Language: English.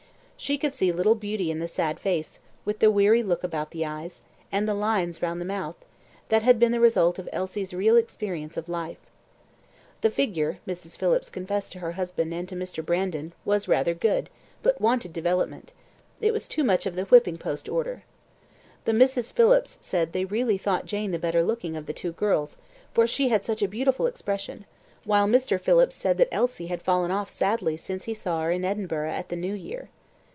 She could see little beauty in the sad face, with the weary look about the eyes, and the lines round the mouth, that had been the result of Elsie's real experience of life. The figure, Mrs. Phillips confessed to her husband and to Mr. Brandon, was rather good, but wanted development; it was too much of the whipping post order. The Misses Phillips said they really thought Jane the better looking of the two girls, for she had such a beautiful expression; while Mr. Phillips said that Elsie had fallen off sadly since he saw her in Edinburgh at the new year.